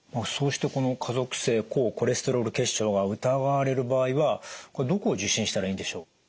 そうしてこの家族性高コレステロール血症が疑われる場合はこれどこを受診したらいいんでしょう？